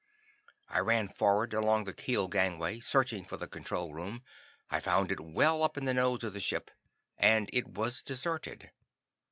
I ran forward along the keel gangway, searching for the control room. I found it well up in the nose of the ship. And it was deserted.